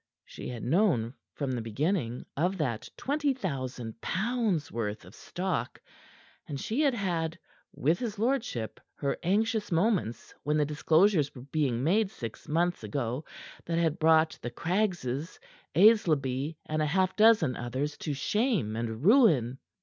She had known, from the beginning, of that twenty thousand pounds' worth of stock, and she had had with his lordship her anxious moments when the disclosures were being made six months ago that had brought the Craggses, Aislabie and a half dozen others to shame and ruin.